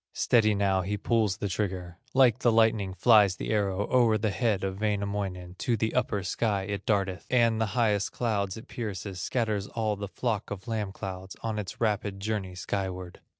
Steady now he pulls the trigger; Like the lightning flies the arrow O'er the head of Wainamoinen; To the upper sky it darteth, And the highest clouds it pierces, Scatters all the flock of lamb clouds, On its rapid journey skyward.